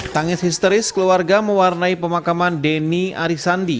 tangis histeris keluarga mewarnai pemakaman deni arisandi